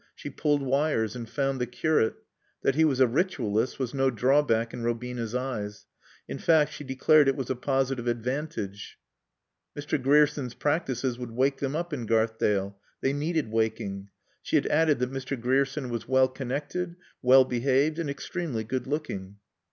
She pulled wires and found the curate. That he was a ritualist was no drawback in Robina's eyes. In fact, she declared it was a positive advantage. Mr. Grierson's practices would wake them up in Garthdale. They needed waking. She had added that Mr. Grierson was well connected, well behaved and extremely good looking.